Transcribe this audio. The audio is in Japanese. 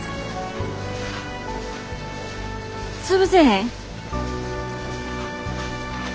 潰せへん。